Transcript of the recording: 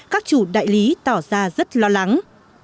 các chủ đại lý tỏ ra rất lo lắng